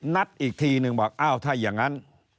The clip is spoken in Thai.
นัดอีกทีนึงบอกอ้าวถ้าอย่างนั้น